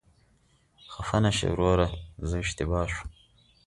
خفه نشې وروره، زه اشتباه شوم.